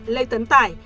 lê tấn tải